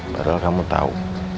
barang kamu tahu